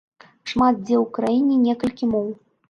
Шмат дзе ў краіне некалькі моў.